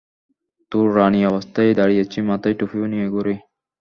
তো, রানি, অবস্থা এই দাঁড়িয়েছে, মাথায়ও টুপি নিয়ে ঘুরি।